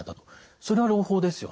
それは朗報ですよね。